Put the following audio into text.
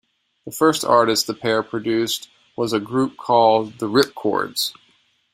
The first artist the pair produced was a group called the Rip Chords.